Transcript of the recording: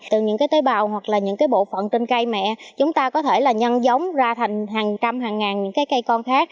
từ những tế bào hoặc những bộ phận trên cây mẹ chúng ta có thể nhân giống ra thành hàng trăm hàng ngàn cây con khác